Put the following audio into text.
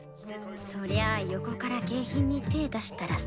そりゃあ横から景品に手出したらさ。